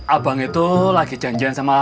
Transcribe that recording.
abang itu lagi janjian sama